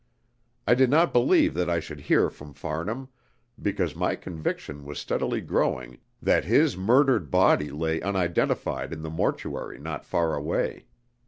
I did not believe that I should hear from Farnham, because my conviction was steadily growing that his murdered body lay unidentified in the mortuary not far away.